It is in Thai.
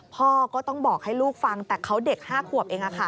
พ่อก็ต้องบอกให้ลูกฟังแต่เขาเด็ก๕ขวบเอง